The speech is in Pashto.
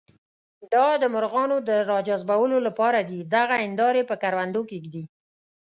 دا د مرغانو د راجذبولو لپاره دي، دغه هندارې په کروندو کې ږدي.